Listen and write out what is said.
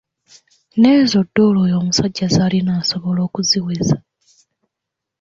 N'ezo doola oyo omusajja zaalina nsobola okuziweza!